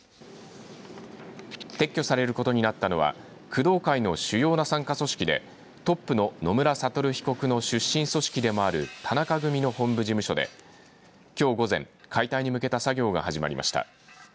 撤去されることになったのは工藤会の主要な傘下組織でトップの野村悟被告の出身組織でもある田中組の本部事務所できょう午前、解体に向けた作業が始まりました。